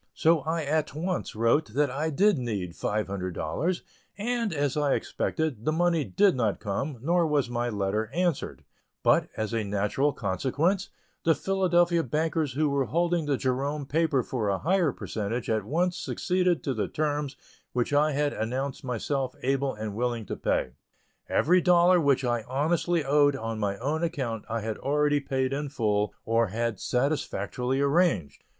So I at once wrote that I did need $500, and, as I expected, the money did not come, nor was my letter answered; but, as a natural consequence, the Philadelphia bankers who were holding the Jerome paper for a higher percentage at once acceded to the terms which I had announced myself able and willing to pay. Every dollar which I honestly owed on my own account I had already paid in full or had satisfactorily arranged.